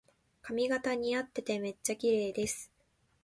髪型にあっててめっちゃきれいです